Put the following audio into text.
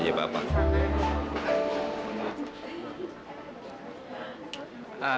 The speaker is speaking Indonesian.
saya gak bisa janji apa apa